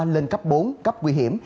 lên cấp bốn cấp nguy hiểm